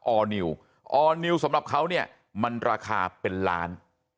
อร์นิวออร์นิวสำหรับเขาเนี่ยมันราคาเป็นล้าน